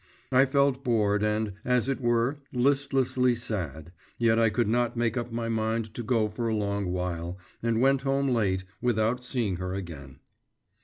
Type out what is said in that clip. I felt bored and, as it were, listlessly sad, yet I could not make up my mind to go for a long while, and went home late, without seeing her again.